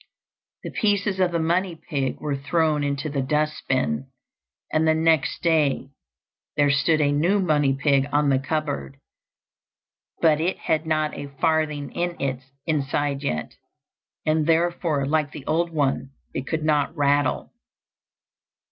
The pieces of the money pig were thrown into the dust bin, and the next day there stood a new money pig on the cupboard, but it had not a farthing in its inside yet, and therefore, like the old one, it could not rattle.